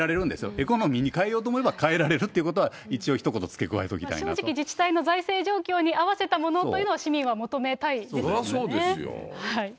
エコノミーに変えようと思えば変えられるっていうことは、一応、正直、自治体の財政状況に合わせたものというのを、市民は求めたいですよね。